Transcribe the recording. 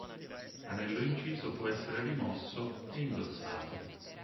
L’anello inciso può essere rimosso e indossato.